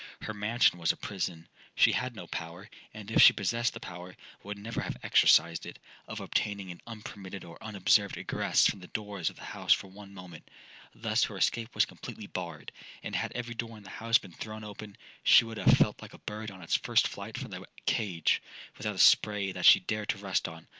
Her mansion was a prison—she had no power (and if she possessed the power, would never have exercised it) of obtaining an unpermitted or unobserved egress from the doors of the house for one moment. Thus her escape was completely barred; and had every door in the house been thrown open, she would have felt like a bird on its first flight from the cage, without a spray that she dared to rest on.